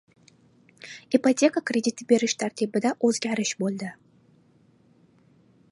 Ipoteka krediti berish tartibida o‘zgarish bo‘ldi